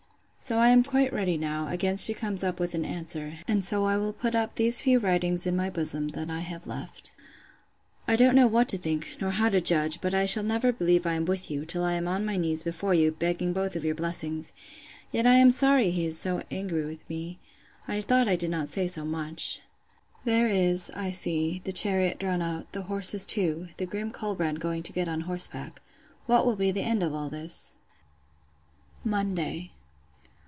So, I am quite ready now, against she comes up with an answer; and so I will put up these few writings in my bosom, that I have left. I don't know what to think—nor how to judge; but I shall never believe I am with you, till I am on my knees before you, begging both your blessings. Yet I am sorry he is so angry with me! I thought I did not say so much! There is, I see, the chariot drawn out, the horses too, the grim Colbrand going to get on horseback. What will be the end of all this? Monday.